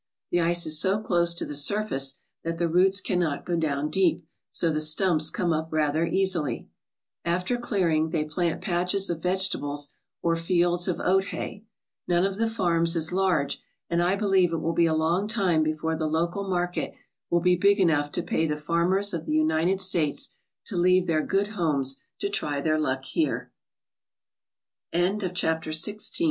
The ice is so close to the surface that the roots cannot go down deep, so the stumps come up rather easily, After clearing, they plant patches of vegetables or fields of oat hay. None of the farms is large, and I believe it will be a long time before the local market will be big enough to pay the farmers of the United States to leave their good homes